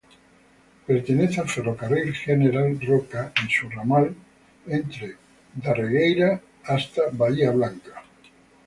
Pertenece al Ferrocarril General Roca en su ramal entre Darregueira hasta Bahía Blanca.